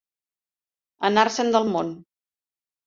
Anar-se'n del món.